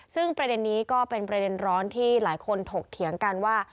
ซึ่งประเด็นนี้ก็เป็นประเด็นร้อนที่หลายคนถกเถียงกันว่า